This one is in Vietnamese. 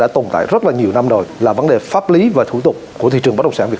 từ tiến ngành hàng